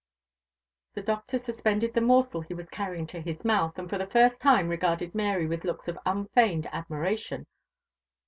The Doctor suspended the morsel he was carrying to his mouth, and for the first time regarded Mary with looks of unfeigned admiration.